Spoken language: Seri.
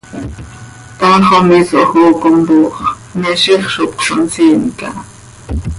Taax oo misoj oo compooh x, me ziix zo cösonsiin caha.